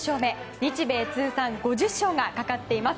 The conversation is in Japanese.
日米通算５０勝がかかっています。